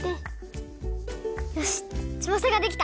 よしつばさができた！